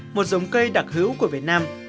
một giống cây đặc hữu của việt nam